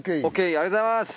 ありがとうございます！